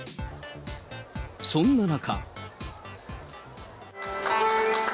そんな中。